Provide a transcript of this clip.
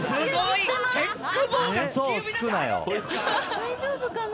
大丈夫かな？